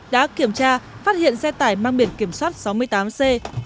đã kiểm tra phát hiện xe tải mang biển kiểm soát sáu mươi tám c bảy nghìn hai trăm sáu mươi sáu